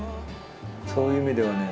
そういう意味ではね